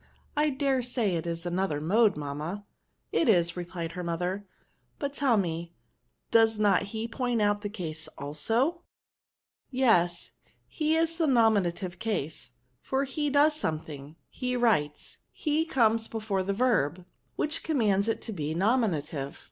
I dare say it is another mode, mamma." " It is," replied her mother ;" but, tell me, does not he point out the case also ?"" Yes ; he is the nominative case ; for he does something, he writes; he comes befor* the verb, which commands it ta be nominS' tive."